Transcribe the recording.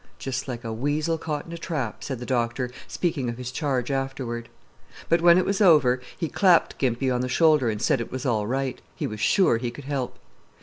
"Just like a weasel caught in a trap," said the doctor, speaking of his charge afterward. But when it was over, he clapped Gimpy on the shoulder and said it was all right. He was sure he could help.